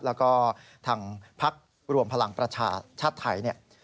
แล้วก็ทางพักรวมพลังประชาชาติไทยเนี่ย